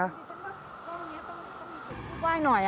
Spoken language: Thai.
มันต้องป้องนี้ต้องพูดไว้หน่อยอ่ะ